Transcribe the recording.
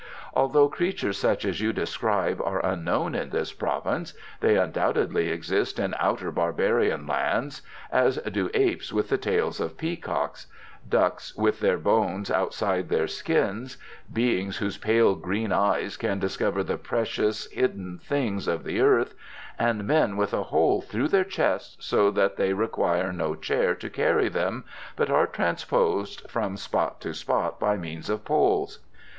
"Although creatures such as you describe are unknown in this province, they undoubtedly exist in outer barbarian lands, as do apes with the tails of peacocks, ducks with their bones outside their skins, beings whose pale green eyes can discover the precious hidden things of the earth, and men with a hole through their chests so that they require no chair to carry them, but are transposed from spot to spot by means of poles."